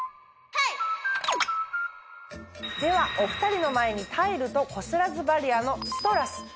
ではお２人の前にタイルと「こすらずバリア」の。